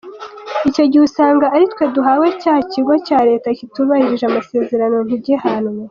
Icyo gihe usanga aritwe duhanwe, cya kigo cya Leta kitubahirije amasezerano ntigihanwe.